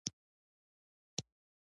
کلي د افغانستان د پوهنې په نصاب کې دي.